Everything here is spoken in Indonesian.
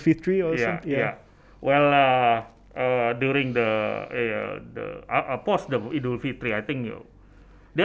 mungkin setelah idul fitri atau sesuatu